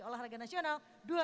olahraga nasional dua ribu dua puluh